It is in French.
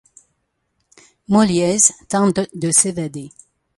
Mulliez tente de s'évader.